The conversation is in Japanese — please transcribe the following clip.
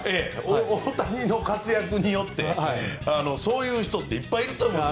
大谷の活躍によってそういう人っていっぱいいると思うんですよ。